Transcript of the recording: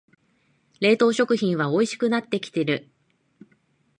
冷凍食品はおいしくなってきてる